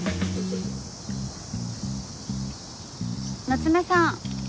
夏目さん。